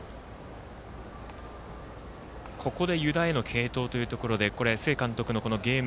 ここで湯田への継投というところで須江監督、ゲーム